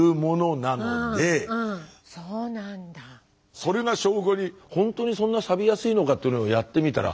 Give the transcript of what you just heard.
それが証拠にほんとにそんなサビやすいのかっていうのをやってみたら。